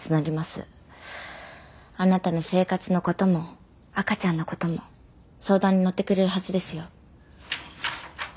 あなたの生活の事も赤ちゃんの事も相談に乗ってくれるはずですよ。